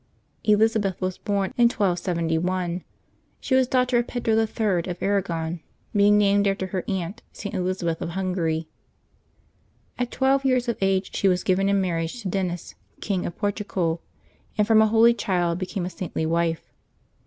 /i^LiZABETH was bom in 1271. She was daughter of VJl Pedro III. of Arragon, being named after her aunt, St. Elizabeth of Hungary. At twelve years of age she was given in marriage to Denis, King of Portugal, and from a holy child became a saintly wife.